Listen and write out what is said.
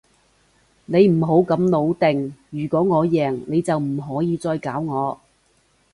你唔好咁老定，如果我贏，你就唔可以再搞我